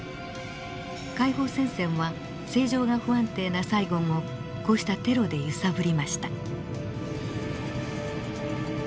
解放戦線は政情が不安定なサイゴンをこうしたテロで揺さぶりました。